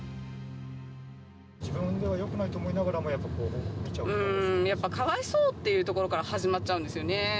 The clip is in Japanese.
自分ではよくないと思いながらも、やっぱり、かわいそうっていうところから始まっちゃうんですよね。